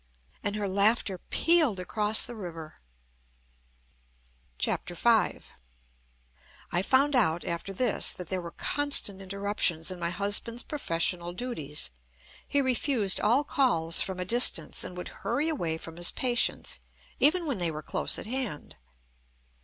And her laughter pealed across the river. V I found out after this that there were constant interruptions in my husband's professional duties. He refused all calls from a distance, and would hurry away from his patients, even when they were close at hand.